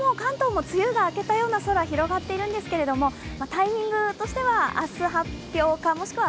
もう梅雨が明けたような空が広がっているんですがタイミングとしては明日発表かもしくは